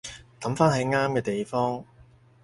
抌返喺啱嘅地方